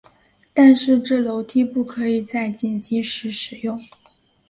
但是这楼梯不可以在紧急时使用。